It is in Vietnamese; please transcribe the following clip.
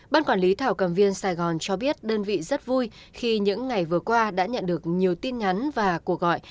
ban quản lý thảo cầm viên sài gòn cho biết đơn vị rất vui khi những ngày vừa qua đã nhận được nhiều tin nhắn và cuộc gọi